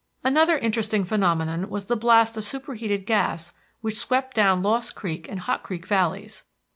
Another interesting phenomenon was the blast of superheated gas which swept down Lost Creek and Hot Creek Valleys.